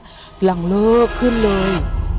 หลังเลิกขึ้นเลย